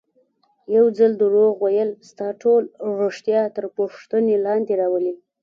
یو ځل دروغ ویل ستا ټول ریښتیا تر پوښتنې لاندې راولي.